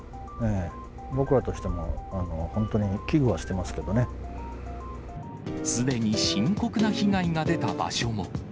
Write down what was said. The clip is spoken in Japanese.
僕らとしても、本当に危惧はしてすでに深刻な被害が出た場所も。